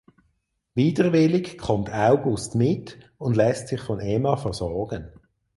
Widerwillig kommt August mit und lässt sich von Emma versorgen.